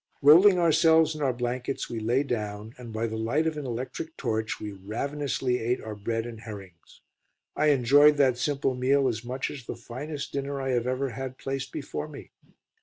Rolling ourselves in our blankets we lay down, and by the light of an electric torch we ravenously ate our bread and herrings. I enjoyed that simple meal as much as the finest dinner I have ever had placed before me.